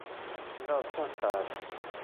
Non saltar!